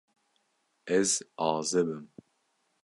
Ez azib im.